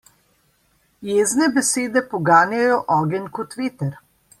Jezne besede poganjajo ogenj kot veter.